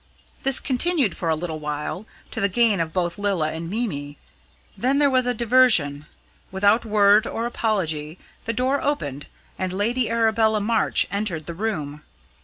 This continued for a little while, to the gain of both Lilla and Mimi. Then there was a diversion. Without word or apology the door opened, and Lady Arabella March entered the room.